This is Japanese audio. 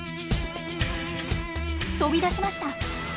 飛び出しました！